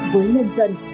với nhân dân